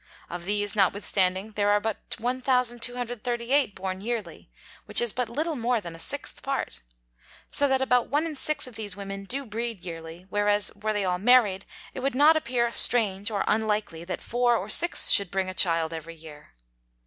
Of these notwithstanding there are but 1238 born yearly, which is but little more than a sixth part: So that about one in six of these Women do breed yearly; whereas were they all married, it would not appear strange or unlikely, that four of six should bring a Child every Year.